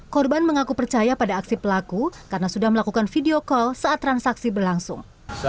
korban mengaku percaya pada aksi pelaku karena sudah melakukan video call saat transaksi berlangsung